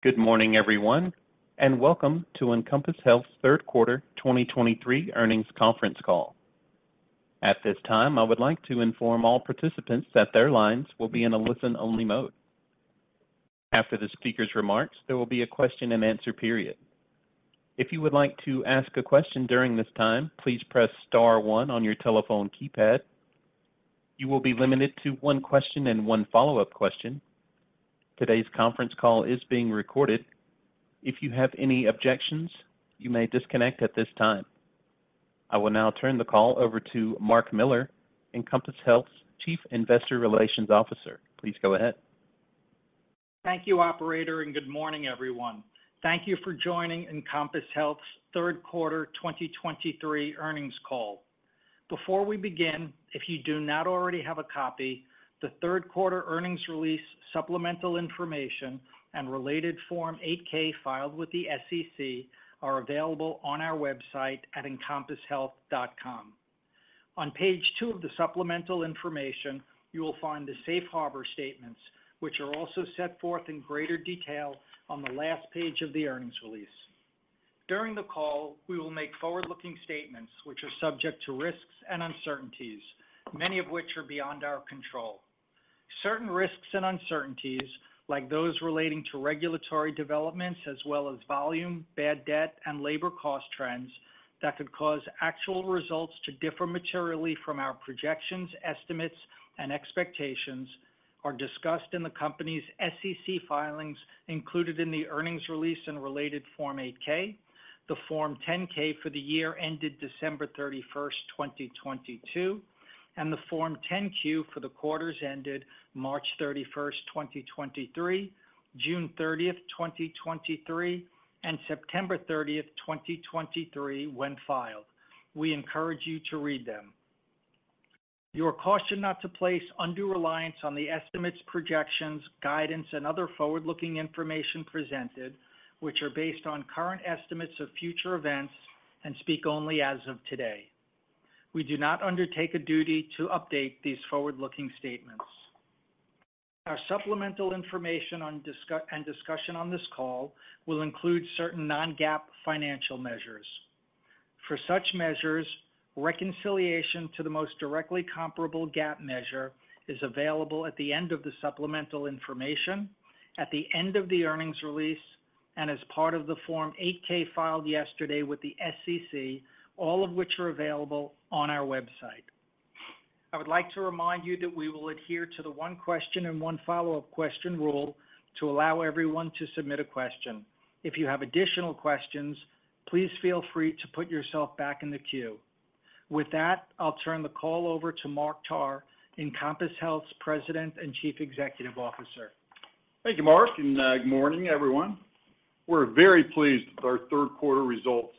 Good morning, everyone, and welcome to Encompass Health's third quarter 2023 earnings conference call. At this time, I would like to inform all participants that their lines will be in a listen-only mode. After the speaker's remarks, there will be a question-and-answer period. If you would like to ask a question during this time, please press star one on your telephone keypad. You will be limited to one question and one follow-up question. Today's conference call is being recorded. If you have any objections, you may disconnect at this time. I will now turn the call over to Mark Miller, Encompass Health's Chief Investor Relations Officer. Please go ahead. Thank you, operator, and good morning, everyone. Thank you for joining Encompass Health's third quarter 2023 earnings call. Before we begin, if you do not already have a copy, the third quarter earnings release, supplemental information, and related Form 8-K filed with the SEC are available on our website at encompasshealth.com. On Page 2 of the supplemental information, you will find the safe harbor statements, which are also set forth in greater detail on the last page of the earnings release. During the call, we will make forward-looking statements which are subject to risks and uncertainties, many of which are beyond our control. Certain risks and uncertainties, like those relating to regulatory developments as well as volume, bad debt, and labor cost trends that could cause actual results to differ materially from our projections, estimates, and expectations, are discussed in the company's SEC filings included in the earnings release in related Form 8-K, the Form 10-K for the year ended December 31st, 2022, and the Form 10-Q for the quarters ended March 31st, 2023, June 30th, 2023, and September 30th, 2023, when filed. We encourage you to read them. You are cautioned not to place undue reliance on the estimates, projections, guidance, and other forward-looking information presented, which are based on current estimates of future events and speak only as of today. We do not undertake a duty to update these forward-looking statements. Our supplemental information and discussion on this call will include certain non-GAAP financial measures. For such measures, reconciliation to the most directly comparable GAAP measure is available at the end of the supplemental information, at the end of the earnings release, and as part of the Form 8-K filed yesterday with the SEC, all of which are available on our website. I would like to remind you that we will adhere to the one question and one follow-up question rule to allow everyone to submit a question. If you have additional questions, please feel free to put yourself back in the queue. With that, I'll turn the call over to Mark Tarr, Encompass Health's President and Chief Executive Officer. Thank you, Mark, and good morning, everyone. We're very pleased with our third quarter results,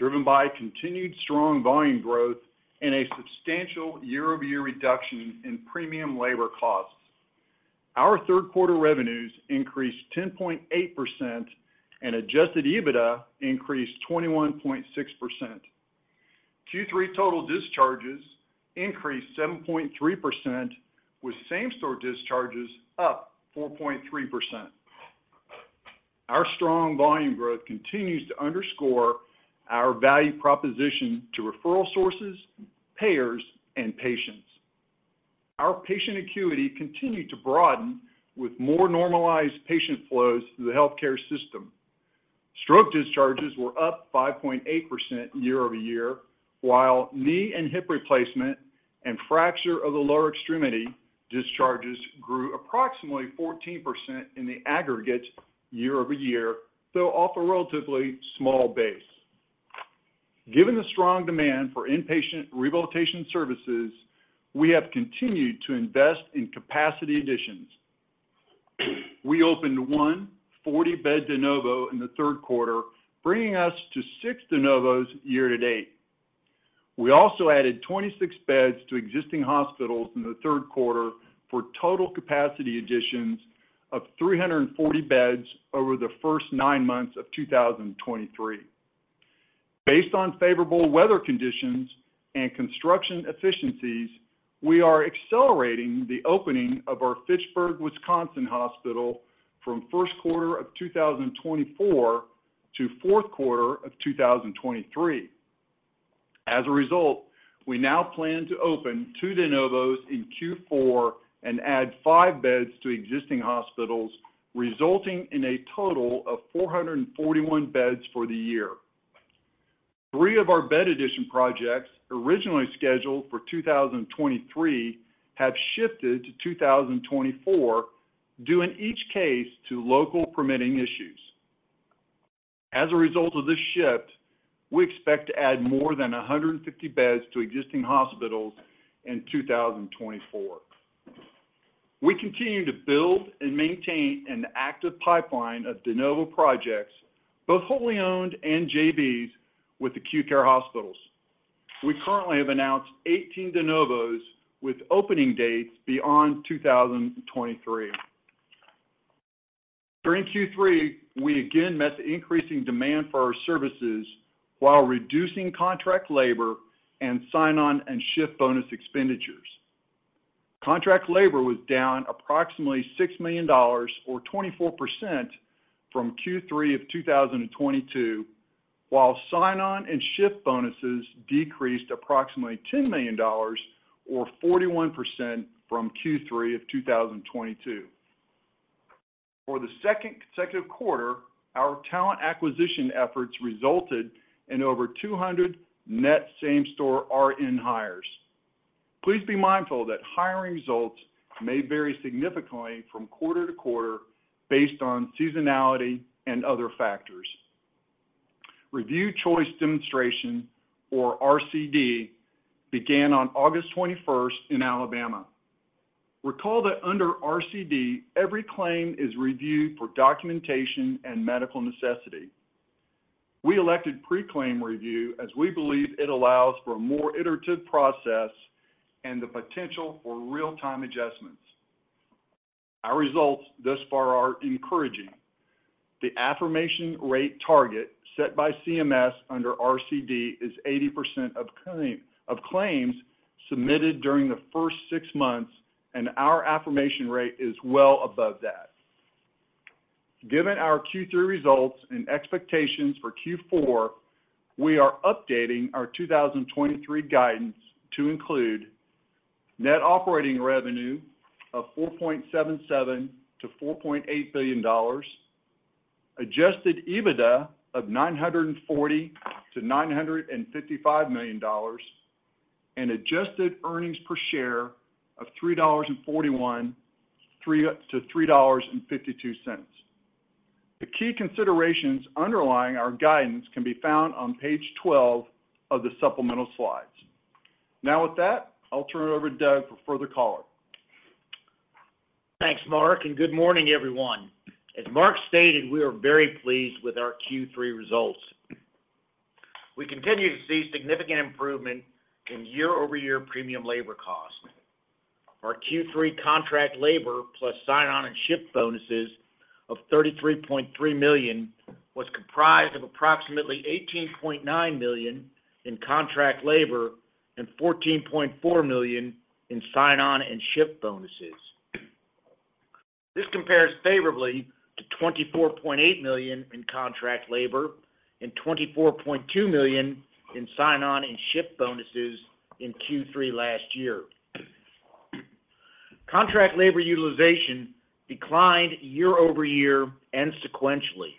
driven by continued strong volume growth and a substantial year-over-year reduction in premium labor costs. Our third quarter revenues increased 10.8%, and Adjusted EBITDA increased 21.6%. Q3 total discharges increased 7.3%, with same-store discharges up 4.3%. Our strong volume growth continues to underscore our value proposition to referral sources, payers, and patients. Our patient acuity continued to broaden with more normalized patient flows through the healthcare system. Stroke discharges were up 5.8% year-over-year, while knee and hip replacement and fracture of the lower extremity discharges grew approximately 14% in the aggregate year-over-year, though off a relatively small base. Given the strong demand for inpatient rehabilitation services, we have continued to invest in capacity additions. We opened one 40-bed de novo in the third quarter, bringing us to six de novos year-to-date. We also added 26 beds to existing hospitals in the third quarter for total capacity additions of 340 beds over the first nine months of 2023. Based on favorable weather conditions and construction efficiencies, we are accelerating the opening of our Fitchburg, Wisconsin hospital from first quarter of 2024 to fourth quarter of 2023. As a result, we now plan to open two de novos in Q4 and add five beds to existing hospitals, resulting in a total of 441 beds for the year. Three of our bed addition projects, originally scheduled for 2023, have shifted to 2024, due in each case to local permitting issues. As a result of this shift, we expect to add more than 150 beds to existing hospitals in 2024. We continue to build and maintain an active pipeline of de novo projects, both wholly owned and JVs with acute care hospitals. We currently have announced 18 de novos with opening dates beyond 2023. During Q3, we again met the increasing demand for our services while reducing contract labor and sign-on and shift bonus expenditures. Contract labor was down approximately $6 million or 24% from Q3 of 2022, while sign-on and shift bonuses decreased approximately $10 million or 41% from Q3 of 2022. For the second consecutive quarter, our talent acquisition efforts resulted in over 200 net same-store RN hires. Please be mindful that hiring results may vary significantly from quarter-to-quarter based on seasonality and other factors. Review Choice Demonstration, or RCD, began on August 21st in Alabama. Recall that under RCD, every claim is reviewed for documentation and medical necessity. We elected pre-claim review, as we believe it allows for a more iterative process and the potential for real-time adjustments. Our results thus far are encouraging. The affirmation rate target set by CMS under RCD is 80% of claim, of claims submitted during the first six months, and our affirmation rate is well above that. Given our Q3 results and expectations for Q4, we are updating our 2023 guidance to include net operating revenue of $4.77 billion-$4.8 billion, Adjusted EBITDA of $940 million-$955 million, and adjusted earnings per share of $3.413-$3.52. The key considerations underlying our guidance can be found on Page 12 of the supplemental slides. Now, with that, I'll turn it over to Doug for further color. Thanks, Mark, and good morning, everyone. As Mark stated, we are very pleased with our Q3 results. We continue to see significant improvement in year-over-year premium labor cost. Our Q3 contract labor, plus sign-on and shift bonuses of $33.3 million, was comprised of approximately $18.9 million in contract labor and $14.4 million in sign-on and shift bonuses. This compares favorably to $24.8 million in contract labor and $24.2 million in sign-on and shift bonuses in Q3 last year. Contract labor utilization declined year-over-year and sequentially.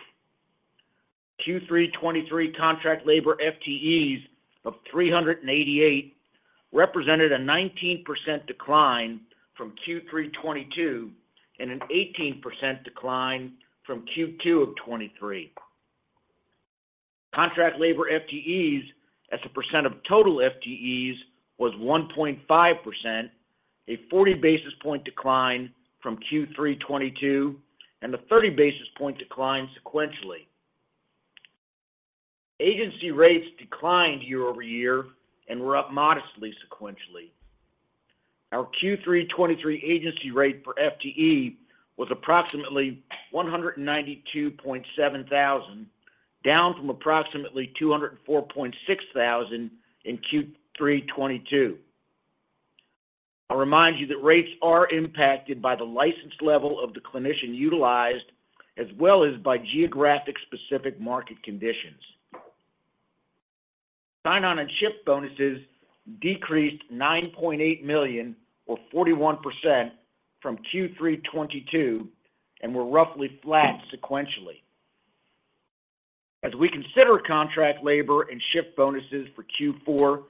Q3 2023 contract labor FTEs of 388 represented a 19% decline from Q3 2022 and an 18% decline from Q2 of 2023. Contract labor FTEs, as a percent of total FTEs, was 1.5%, a 40 basis point decline from Q3 2022, and a 30 basis point decline sequentially. Agency rates declined year-over-year and were up modestly sequentially. Our Q3 2023 agency rate for FTE was approximately $192,700, down from approximately $204,600 in Q3 2022. I'll remind you that rates are impacted by the license level of the clinician utilized, as well as by geographic specific market conditions. Sign-on and shift bonuses decreased $9.8 million, or 41%, from Q3 2022 and were roughly flat sequentially. As we consider contract labor and shift bonuses for Q4,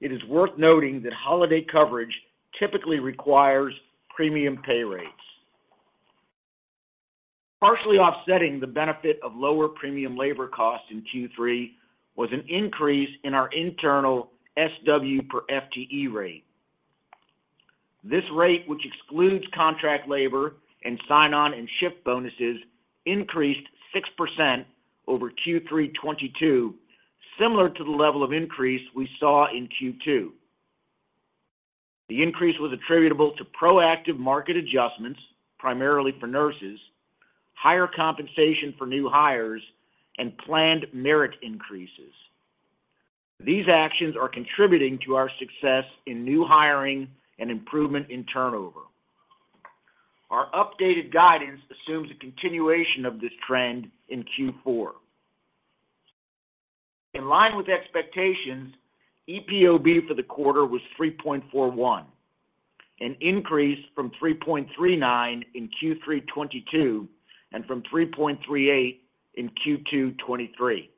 it is worth noting that holiday coverage typically requires premium pay rates. Partially offsetting the benefit of lower premium labor costs in Q3 was an increase in our internal SW per FTE rate. This rate, which excludes contract labor and sign-on and shift bonuses, increased 6% over Q3 2022, similar to the level of increase we saw in Q2. The increase was attributable to proactive market adjustments, primarily for nurses, higher compensation for new hires, and planned merit increases. These actions are contributing to our success in new hiring and improvement in turnover. Our updated guidance assumes a continuation of this trend in Q4. In line with expectations, EPOB for the quarter was 3.41, an increase from 3.39 in Q3 2022, and from 3.38 in Q2 2023.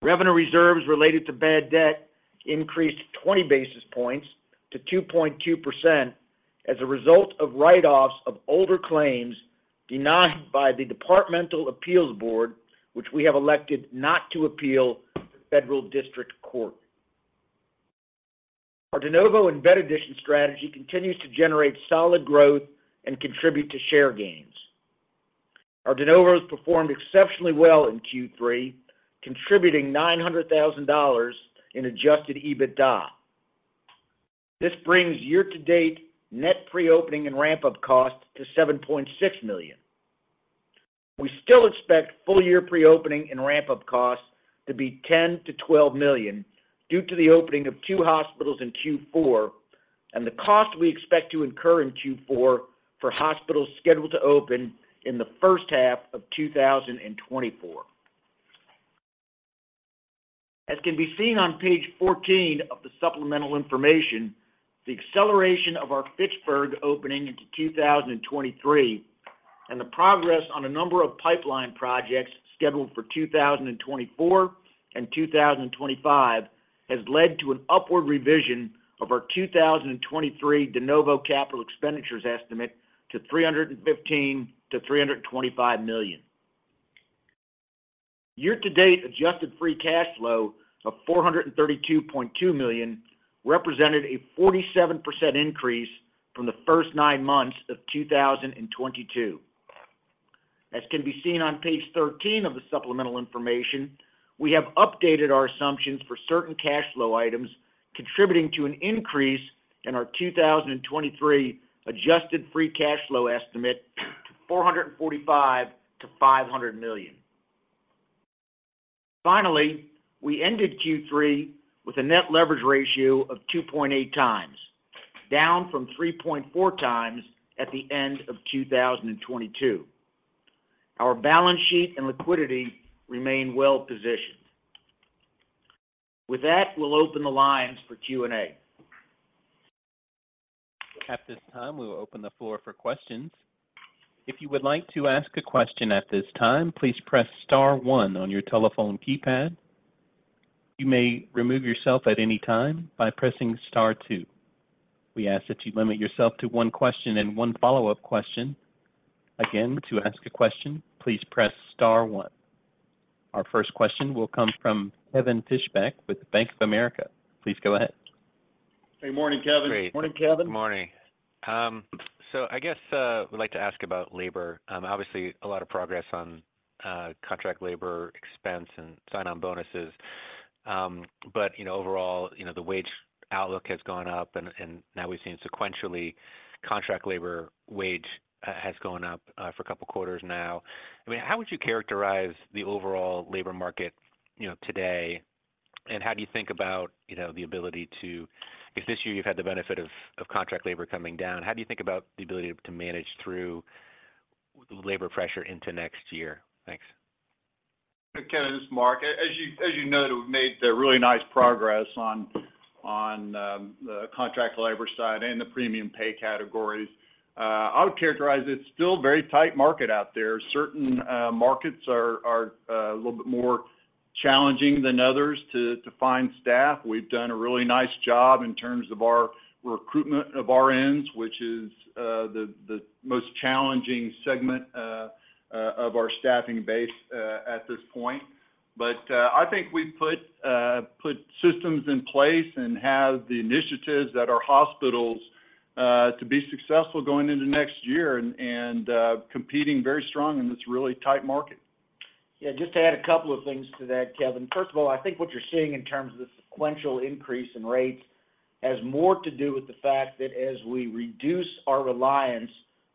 Revenue reserves related to bad debt increased 20 basis points to 2.2% as a result of write-offs of older claims denied by the Departmental Appeals Board, which we have elected not to appeal to Federal District Court. Our de novo and bed addition strategy continues to generate solid growth and contribute to share gains. Our de novos performed exceptionally well in Q3, contributing $900,000 in adjusted EBITDA. This brings year-to-date net pre-opening and ramp-up cost to $7.6 million. We still expect full year pre-opening and ramp-up costs to be $10 million-$12 million, due to the opening of two hospitals in Q4, and the cost we expect to incur in Q4 for hospitals scheduled to open in the first half of 2024. As can be seen on Page 14 of the supplemental information, the acceleration of our Fitchburg opening into 2023, and the progress on a number of pipeline projects scheduled for 2024 and 2025, has led to an upward revision of our 2023 de novo capital expenditures estimate to $315 million-$325 million. Year-to-date, adjusted free cash flow of $432.2 million, represented a 47% increase from the first nine months of 2022. As can be seen on Page 13 of the supplemental information, we have updated our assumptions for certain cash flow items, contributing to an increase in our 2023 adjusted free cash flow estimate to $445 million-$500 million. Finally, we ended Q3 with a net leverage ratio of 2.8x, down from 3.4x at the end of 2022. Our balance sheet and liquidity remain well positioned. With that, we'll open the lines for Q&A. At this time, we will open the floor for questions. If you would like to ask a question at this time, please press star one on your telephone keypad. You may remove yourself at any time by pressing star two. We ask that you limit yourself to one question and one follow-up question. Again, to ask a question, please press star one. Our first question will come from Kevin Fischbeck with Bank of America. Please go ahead. Hey, morning, Kevin. Morning, Kevin. Good morning. So I guess would like to ask about labor. Obviously, a lot of progress on contract labor expense and sign-on bonuses. But, you know, overall, you know, the wage outlook has gone up, and, and now we've seen sequentially, contract labor wage has gone up for a couple of quarters now. I mean, how would you characterize the overall labor market, you know, today? And how do you think about, you know, the ability to-- because this year you've had the benefit of contract labor coming down, how do you think about the ability to manage through labor pressure into next year? Thanks. Okay, this is Mark. As you noted, we've made really nice progress on the contract labor side and the premium pay categories. I would characterize it's still a very tight market out there. Certain markets are a little bit more challenging than others to find staff. We've done a really nice job in terms of our recruitment of RNs, which is the most challenging segment of our staffing base at this point. But I think we've put systems in place and have the initiatives at our hospitals to be successful going into next year, and competing very strong in this really tight market. Yeah, just to add a couple of things to that, Kevin. First of all, I think what you're seeing in terms of the sequential increase in rates has more to do with the fact that as we reduce our reliance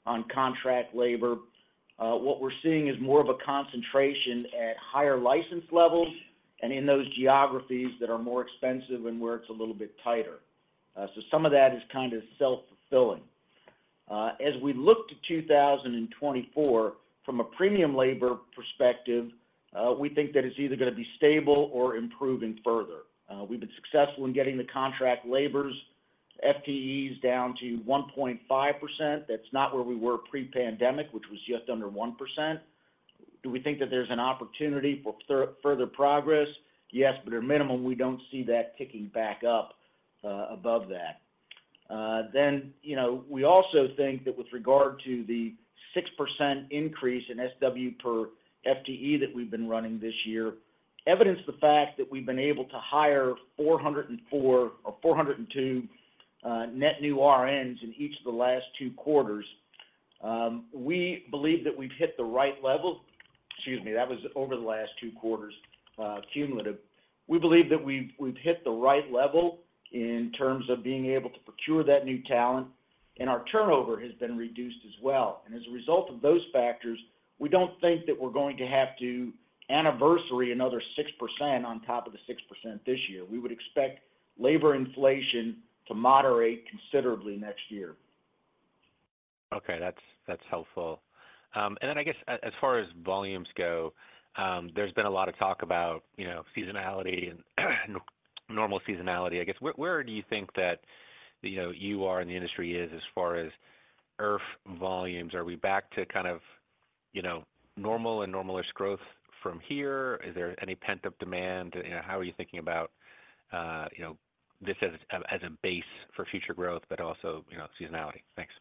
on contract labor, what we're seeing is more of a concentration at higher license levels and in those geographies that are more expensive and where it's a little bit tighter. So some of that is self-fulfilling. As we look to 2024, from a premium labor perspective, we think that it's either going to be stable or improving further. We've been successful in getting the contract labor FTEs down to 1.5%. That's not where we were pre-pandemic, which was just under 1%. Do we think that there's an opportunity for further progress? Yes, but at minimum, we don't see that ticking back up above that. Then, you know, we also think that with regard to the 6% increase in SW per FTE that we've been running this year, evidence the fact that we've been able to hire 404 or 402 net new RNs in each of the last two quarters, we believe that we've hit the right level. Excuse me, that was over the last two quarters, cumulative. We believe that we've, we've hit the right level in terms of being able to procure that new talent, and our turnover has been reduced as well. As a result of those factors, we don't think that we're going to have to anniversary another 6% on top of the 6% this year. We would expect labor inflation to moderate considerably next year. Okay, that's helpful. And then I guess as far as volumes go, there's been a lot of talk about, you know, seasonality and normal seasonality. I guess, where do you think that, you know, you are, and the industry is as far as IRF volumes? Are we back to kind of, you know, normal and normalish growth from here? Is there any pent-up demand? How are you thinking about, you know, this as a base for future growth, but also, you know, seasonality? Thanks.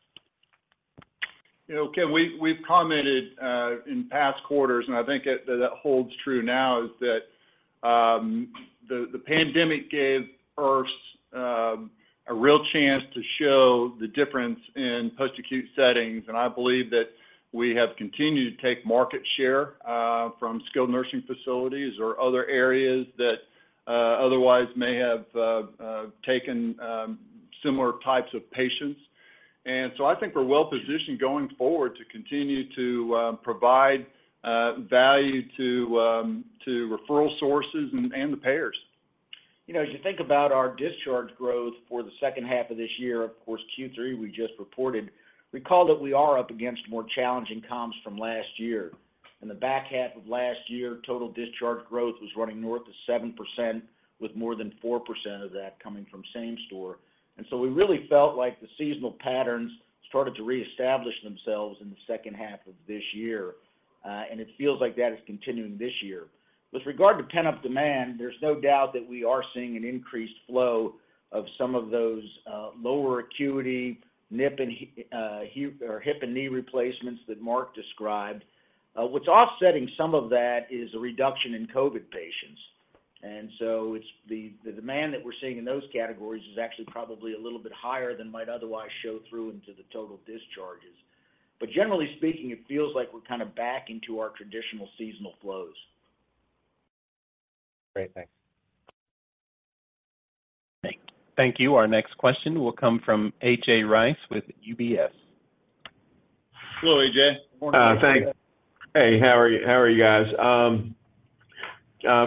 You know, Kevin, we've commented in past quarters, and I think that holds true now, is that the pandemic gave IRFs a real chance to show the difference in post-acute settings, and I believe that we have continued to take market share from skilled nursing facilities or other areas that otherwise may have taken similar types of patients. And so I think we're well positioned going forward to continue to provide value to to referral sources and the payers. You know, as you think about our discharge growth for the second half of this year, of course, Q3 we just reported, recall that we are up against more challenging comps from last year. In the back half of last year, total discharge growth was running north of 7%, with more than 4% of that coming from same store. And so we really felt like the seasonal patterns started to reestablish themselves in the second half of this year, and it feels like that is continuing this year. With regard to pent-up demand, there's no doubt that we are seeing an increased flow of some of those, lower acuity, hip and knee replacements that Mark described. What's offsetting some of that is a reduction in COVID patients. And so it's the demand that we're seeing in those categories is actually probably a little bit higher than might otherwise show through into the total discharges. But generally speaking, it feels like we're kind of back into our traditional seasonal flows. Great. Thanks. Thank you. Our next question will come from A.J. Rice with UBS. Hello, A.J. Morning. Thanks. Hey, how are you? How are you guys?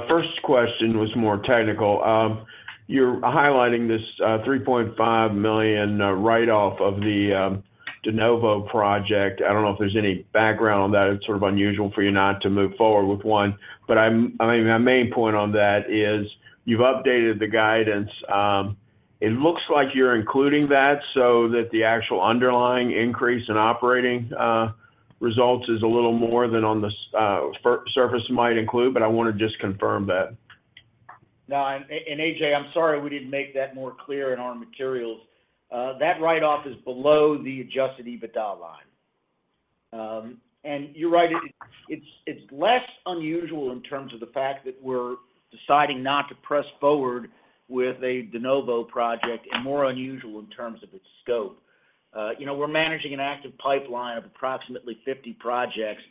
First question was more technical. You're highlighting this $3.5 million write-off of the De Novo project. I don't know if there's any background on that. It's sort of unusual for you not to move forward with one, but I'm—I mean, my main point on that is you've updated the guidance. It looks like you're including that, so that the actual underlying increase in operating results is a little more than on the surface might include, but I want to just confirm that. No, A.J., I'm sorry we didn't make that more clear in our materials. That write-off is below the Adjusted EBITDA line. And you're right, it's less unusual in terms of the fact that we're deciding not to press forward with a de novo project, and more unusual in terms of its scope. You know, we're managing an active pipeline of approximately 50 projects,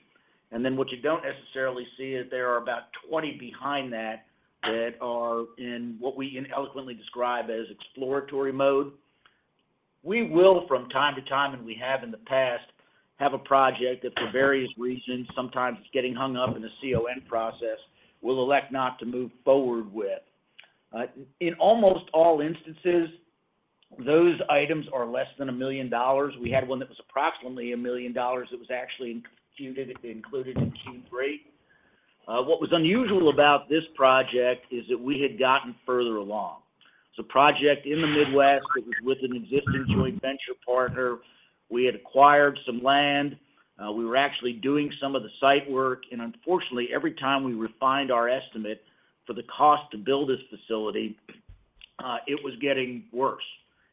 and then what you don't necessarily see is there are about 20 behind that that are in what we ineloquently describe as exploratory mode. We will, from time to time, and we have in the past, have a project that, for various reasons, sometimes it's getting hung up in the CON process, we'll elect not to move forward with. In almost all instances, those items are less than $1 million. We had one that was approximately $1 million that was actually included in Q3. What was unusual about this project is that we had gotten further along. It's a project in the Midwest. It was with an existing joint venture partner. We had acquired some land. We were actually doing some of the site work, and unfortunately, every time we refined our estimate for the cost to build this facility, it was getting worse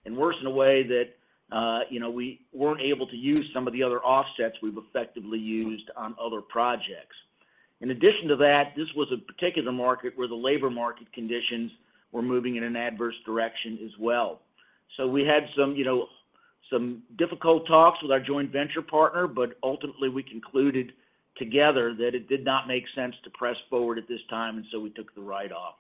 and worse in a way that, you know, we weren't able to use some of the other offsets we've effectively used on other projects. In addition to that, this was a particular market where the labor market conditions were moving in an adverse direction as well. So we had some, you know, some difficult talks with our joint venture partner, but ultimately, we concluded together that it did not make sense to press forward at this time, and so we took the write-off.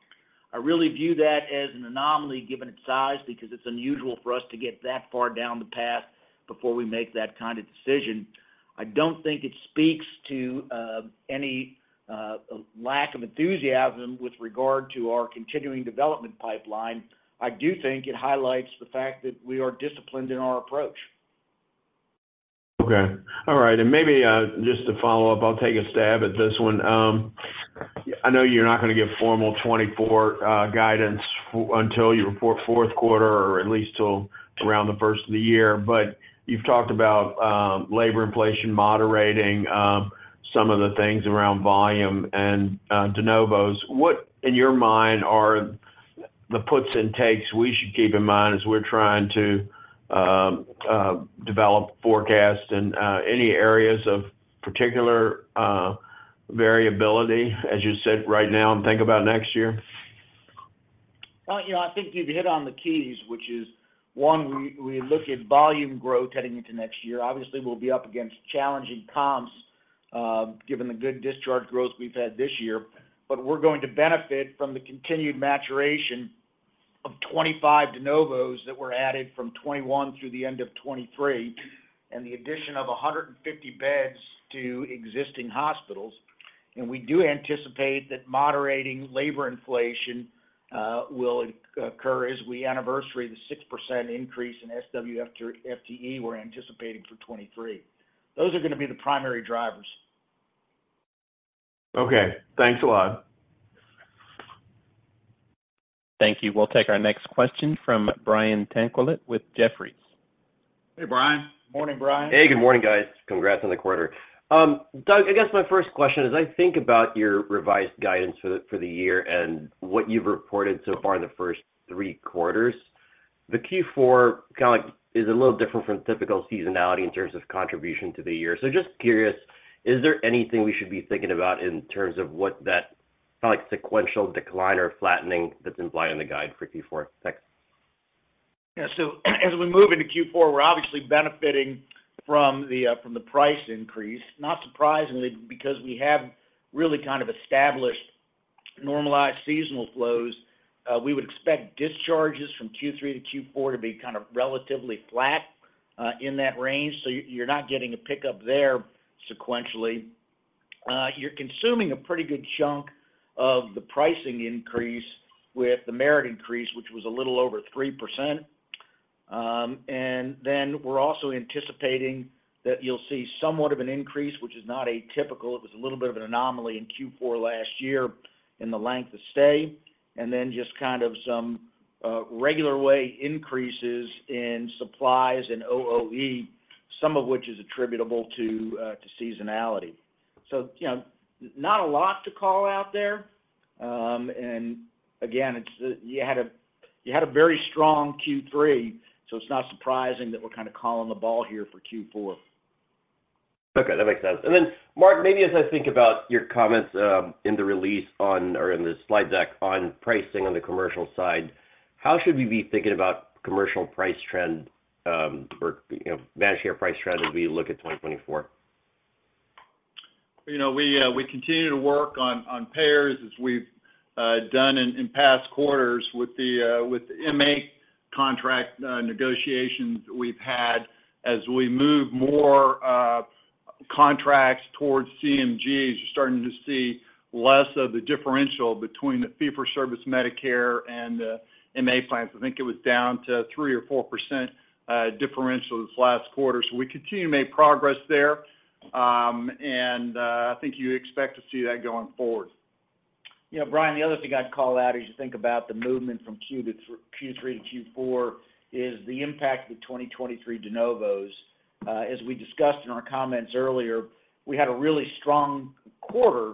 I really view that as an anomaly, given its size, because it's unusual for us to get that far down the path before we make that kind of decision. I don't think it speaks to any lack of enthusiasm with regard to our continuing development pipeline. I do think it highlights the fact that we are disciplined in our approach. Okay. All right, and maybe, just to follow up, I'll take a stab at this one. I know you're not going to give formal 2024 guidance until you report fourth quarter, or at least till around the first of the year, but you've talked about, labor inflation moderating, some of the things around volume and, de novos. What, in your mind, are the puts and takes we should keep in mind as we're trying to, develop forecasts, and, any areas of particular, variability, as you sit right now and think about next year? Well, you know, I think you've hit on the keys, which is, one, we look at volume growth heading into next year. Obviously, we'll be up against challenging comps, given the good discharge growth we've had this year, but we're going to benefit from the continued maturation of 25 de novos that were added from 2021 through the end of 2023, and the addition of 150 beds to existing hospitals. And we do anticipate that moderating labor inflation will occur as we anniversary the 6% increase in SW FTE we're anticipating for 2023. Those are going to be the primary drivers. Okay. Thanks a lot. Thank you. We'll take our next question from Brian Tanquilut with Jefferies. Hey, Brian. Morning, Brian. Hey, good morning, guys. Congrats on the quarter. Doug, I guess my first question is, I think about your revised guidance for the, for the year and what you've reported so far in the first three quarters. The Q4 kind of like is a little different from typical seasonality in terms of contribution to the year. So just curious, is there anything we should be thinking about in terms of what that, like, sequential decline or flattening that's implied in the guide for Q4? Thanks. Yeah, so as we move into Q4, we're obviously benefiting from the price increase, not surprisingly, because we have really kind of established normalized seasonal flows. We would expect discharges from Q3 to Q4 to be kind of relatively flat in that range. So you're not getting a pickup there sequentially. You're consuming a pretty good chunk of the pricing increase with the merit increase, which was a little over 3%. And then we're also anticipating that you'll see somewhat of an increase, which is not atypical. It was a little bit of an anomaly in Q4 last year in the length of stay, and then just kind of some regular way increases in supplies and OOE, some of which is attributable to seasonality. So, you know, not a lot to call out there. And again, it's you had a very strong Q3, so it's not surprising that we're kind of calling the ball here for Q4. Okay, that makes sense. And then, Mark, maybe as I think about your comments, in the release on or in the slide deck on pricing on the commercial side, how should we be thinking about commercial price trend, or, you know, Medicare price trend as we look at 2024? You know, we continue to work on payers, as we've done in past quarters with the MA contract negotiations we've had. As we move more contracts towards CMGs, you're starting to see less of the differential between the fee-for-service Medicare and the MA plans. I think it was down to 3% or 4% differential this last quarter. So we continue to make progress there. And I think you expect to see that going forward. You know, Brian, the other thing I'd call out, as you think about the movement from Q to-- Q3 to Q4, is the impact of the 2023 de novos. As we discussed in our comments earlier, we had a really strong quarter,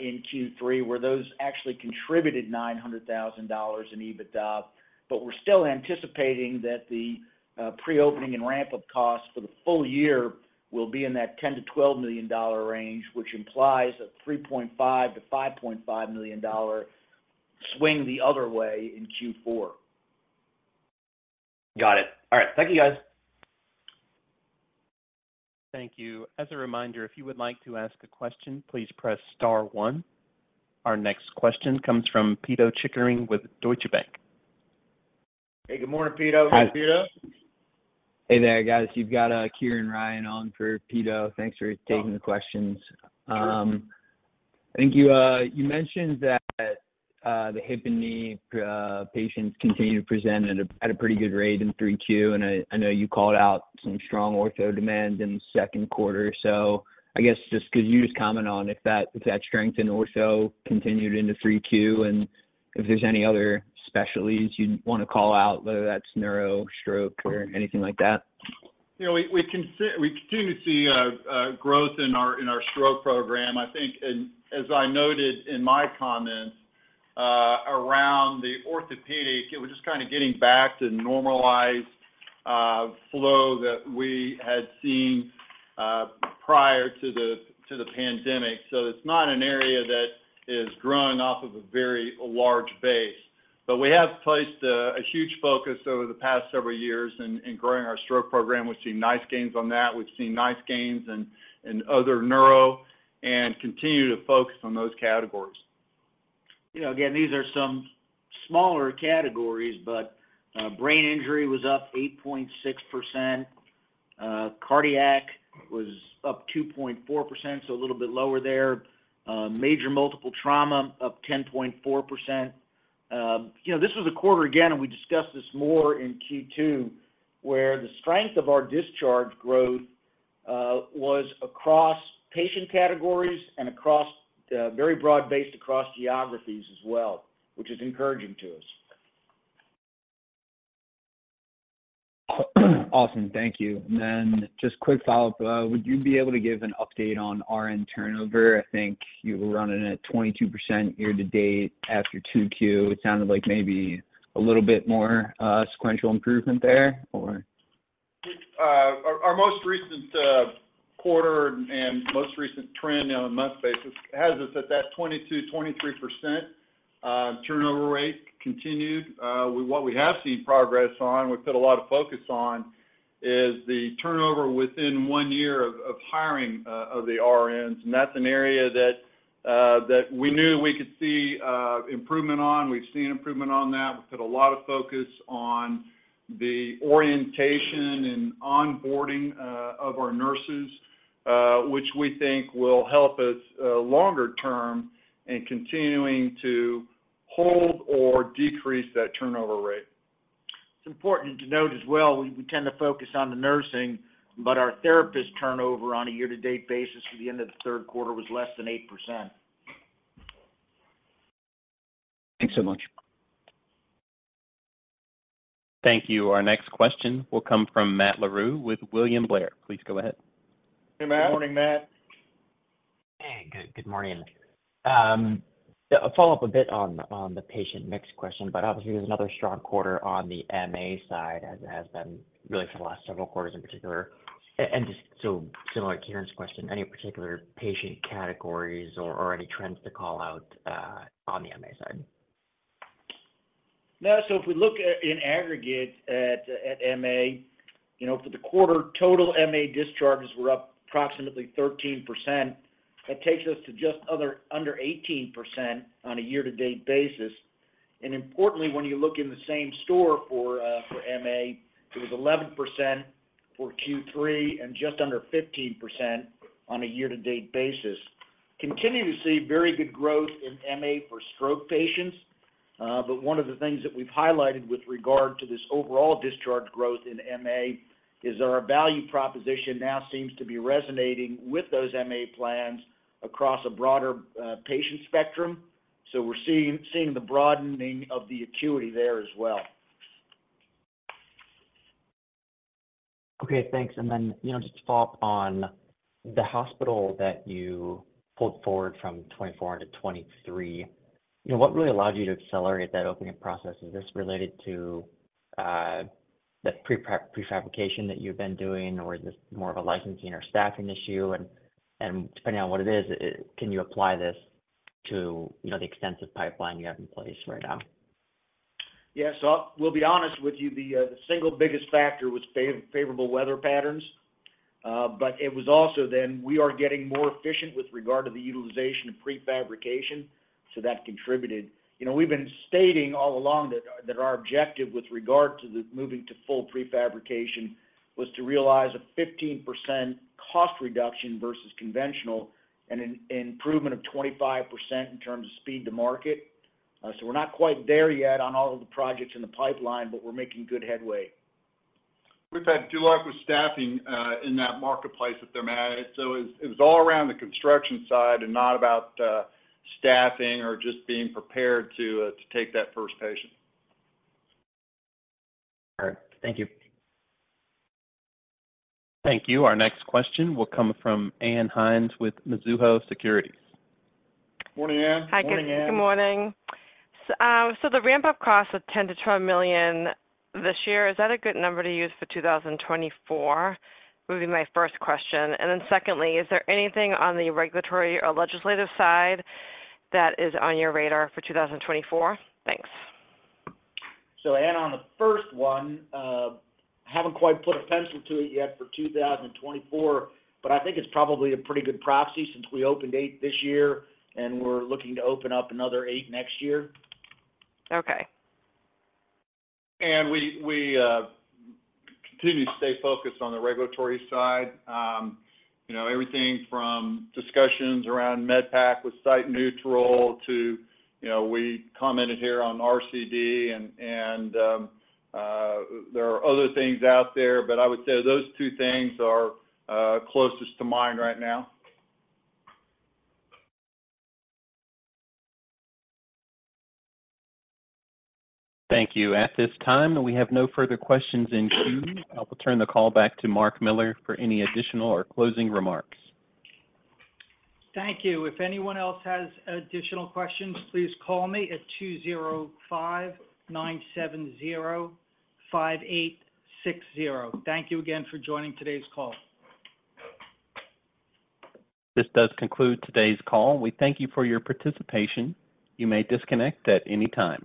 in Q3, where those actually contributed $900,000 in EBITDA, but we're still anticipating that the, preopening and ramp-up costs for the full year will be in that $10-$12 million range, which implies a $3.5-$5.5 million swing the other way in Q4. Got it. All right. Thank you, guys. Thank you. As a reminder, if you would like to ask a question, please press star one. Our next question comes from Pito Chickering with Deutsche Bank. Hey, good morning, Pito. Hi, Pito. Hi. Hey there, guys. You've got, Kieran Ryan on for Pito. Thanks for taking the questions. Welcome. Sure. I think you mentioned that the hip and knee patients continue to present at a pretty good rate in 3Q, and I know you called out some strong ortho demand in the second quarter. So I guess, just could you just comment on if that strength in ortho continued into 3Q, and if there's any other specialties you'd want to call out, whether that's neuro, stroke, or anything like that? You know, we continue to see growth in our stroke program. I think, and as I noted in my comments, around the orthopedic, it was just kind of getting back to normalized flow that we had seen prior to the pandemic. So it's not an area that is growing off of a very large base. But we have placed a huge focus over the past several years in growing our stroke program. We've seen nice gains on that. We've seen nice gains in other neuro and continue to focus on those categories. You know, again, these are some smaller categories, but, brain injury was up 8.6%, cardiac was up 2.4%, so a little bit lower there. Major multiple trauma, up 10.4%. You know, this was a quarter, again, and we discussed this more in Q2, where the strength of our discharge growth was across patient categories and across, very broad-based across geographies as well, which is encouraging to us. Awesome. Thank you. And then just quick follow-up, would you be able to give an update on RN turnover? I think you were running at 22% year-to-date after 2Q. It sounded like maybe a little bit more sequential improvement there or? Our most recent quarter and most recent trend on a month basis has us at that 22%-23% turnover rate continued. What we have seen progress on, we've put a lot of focus on, is the turnover within one year of hiring of the RNs, and that's an area that we knew we could see improvement on. We've seen improvement on that. We've put a lot of focus on the orientation and onboarding of our nurses, which we think will help us longer term in continuing to hold or decrease that turnover rate. It's important to note as well, we tend to focus on the nursing, but our therapist turnover on a year-to-date basis for the end of the third quarter was less than 8%. Thanks so much. Thank you. Our next question will come from Matt Larew with William Blair. Please go ahead. Hey, Matt. Good morning, Matt. Hey, good morning. A follow-up a bit on the patient mix question, but obviously, there's another strong quarter on the MA side, as has been really for the last several quarters in particular. And just so similar to Kieran's question, any particular patient categories or any trends to call out on the MA side? Yeah, so if we look at, in aggregate at MA, you know, for the quarter, total MA discharges were up approximately 13%. That takes us to just over, under 18% on a year-to-date basis. And importantly, when you look in the same store for MA, it was 11% for Q3, and just under 15% on a year-to-date basis. Continue to see very good growth in MA for stroke patients, but one of the things that we've highlighted with regard to this overall discharge growth in MA, is our value proposition now seems to be resonating with those MA plans across a broader patient spectrum. So we're seeing the broadening of the acuity there as well. Okay, thanks. And then, you know, just to follow up on the hospital that you pulled forward from 2024 to 2023, you know, what really allowed you to accelerate that opening up process? Is this related to the pre-fab, prefabrication that you've been doing, or is this more of a licensing or staffing issue? And depending on what it is, can you apply this to, you know, the extensive pipeline you have in place right now? Yeah. So we'll be honest with you, the single biggest factor was favorable weather patterns. But it was also then, we are getting more efficient with regard to the utilization of prefabrication, so that contributed. You know, we've been stating all along that our objective with regard to the moving to full prefabrication was to realize a 15% cost reduction versus conventional, and an improvement of 25% in terms of speed to market. So we're not quite there yet on all of the projects in the pipeline, but we're making good headway. We've had good luck with staffing, in that marketplace that they're at. So it was all around the construction side and not about, staffing or just being prepared to take that first patient. All right. Thank you. Thank you. Our next question will come from Ann Hynes with Mizuho Securities. Morning, Ann. Morning, Ann. Hi, good morning. So the ramp-up cost of $10 million-$12 million this year, is that a good number to use for 2024? Would be my first question. And then secondly, is there anything on the regulatory or legislative side that is on your radar for 2024? Thanks. Ann, on the first one, I haven't quite put a pencil to it yet for 2024, but I think it's probably a pretty good proxy since we opened 8 this year, and we're looking to open up another eight next year. Okay. And we continue to stay focused on the regulatory side. You know, everything from discussions around MedPAC with Site Neutral to, you know, we commented here on RCD, and there are other things out there, but I would say those two things are closest to mine right now. Thank you. At this time, we have no further questions in queue. I will turn the call back to Mark Miller for any additional or closing remarks. Thank you. If anyone else has additional questions, please call me at 205-970-5860. Thank you again for joining today's call. This does conclude today's call. We thank you for your participation. You may disconnect at any time.